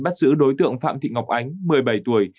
bắt giữ đối tượng phạm thị ngọc ánh một mươi bảy tuổi